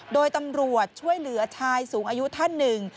โดยตำรวจช่วยเหลือชายสูงอายุท่านหนึ่ง